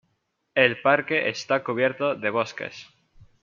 El parque está cubierto de bosques.